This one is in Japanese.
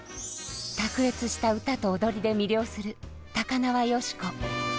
卓越した歌と踊りで魅了する高輪芳子。